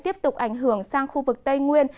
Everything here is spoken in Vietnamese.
tiếp tục ảnh hưởng sang khu vực tây nguyên